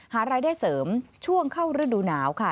หารายได้เสริมช่วงเข้าฤดูหนาวค่ะ